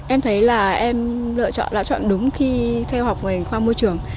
em thấy là em lựa chọn đúng khi theo học ngoài khoa môi trường